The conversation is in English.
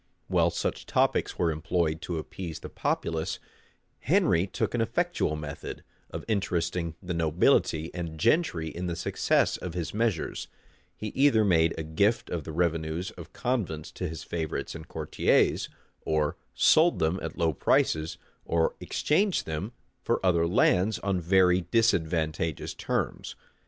[*] While such topics were employed to appease the populace, Henry took an effectual method of interesting the nobility and gentry in the success of his measures:[] he either made a gift of the revenues of convents to his favorites and courtiers, or sold them at low prices, or exchanged them for other lands on very disadvantageous terms.